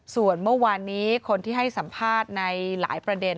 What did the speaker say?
ส่วนเมื่อวานนี้คนที่ให้สัมภาษณ์ในหลายประเด็น